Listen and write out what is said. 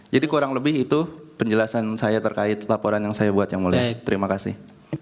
jadi kurang lebih itu penjelasan saya terkait laporan yang saya buat yang mulia terima kasih